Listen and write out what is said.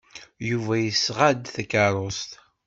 Yuba yesɣa-d takeṛṛust.